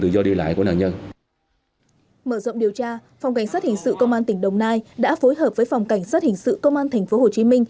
mở rộng điều tra phòng cảnh sát hình sự công an tỉnh đồng nai đã phối hợp với phòng cảnh sát hình sự công an tp hcm